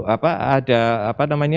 apa ada apa namanya